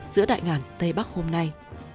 giữa đại ngàn tây bắc hôm nay